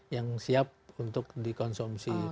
yang siap untuk dikonsumsi